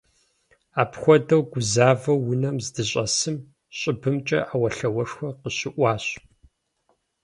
Апхуэдэу гузавэу унэм здыщӏэсым, щӏыбымкӏэ Ӏэуэлъауэшхуэ къыщыӀуащ.